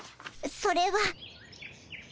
それは」。